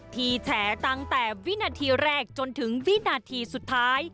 แฉตั้งแต่วินาทีแรกจนถึงวินาทีสุดท้าย